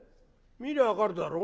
見りゃ分かるだろ。